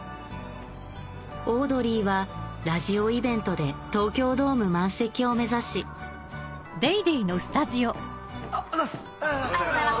オードリーはラジオイベントで東京ドーム満席を目指しおはようございます！